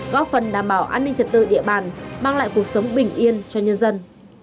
góp phần đảm bảo an ninh trật tự địa bàn mang lại cuộc sống bình yên cho nhân dân